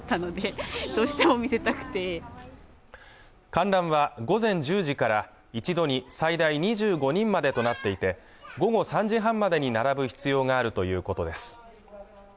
観覧は午前１０時から一度に最大２５人までとなっていて午後３時半までに並ぶ必要があるということです